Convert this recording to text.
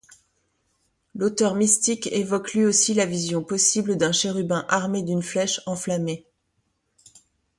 L'auteur mystique évoque lui aussi la vision possible d'un chérubin armé d'une flèche enflammée.